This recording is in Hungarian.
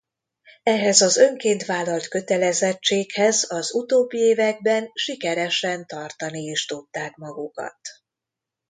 Ehhez az önként vállalt kötelezettséghez az utóbbi években sikeresen tartani is tudták magukat.